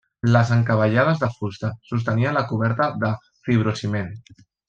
Les encavallades de fusta sostenien la coberta de fibrociment.